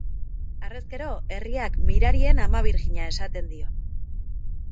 Harrezkero herriak Mirarien Ama Birjina esaten dio.